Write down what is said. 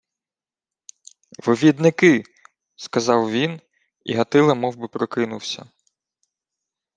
— Вивідники, — сказав він, і Гатило мовби прокинувся.